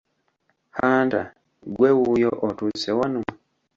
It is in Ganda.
Hunter ggwe wuuyo otuuse wano?